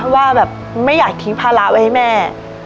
ว่าไม่อยากทิ้งภาระให้แม่